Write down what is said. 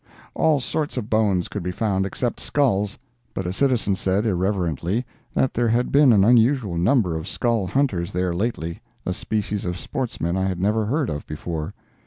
All sorts of bones could be found except skulls; but a citizen said, irreverently, that there had been an unusual number of "skull hunters" there lately—a species of sportsmen I had never heard of before.